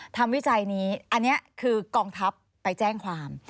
วิจัยนี้อันนี้คือกองทัพไปแจ้งความ